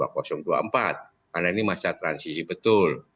karena ini masa transisi betul